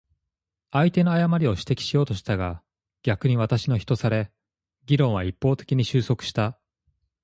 相手の誤りを指摘しようとしたが、逆に私の非とされ、議論は一方的に収束した。